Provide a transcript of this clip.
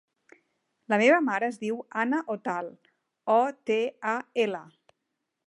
La meva mare es diu Ana Otal: o, te, a, ela.